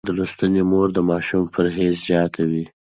لوستې مور د ماشوم پرهېز رعایتوي.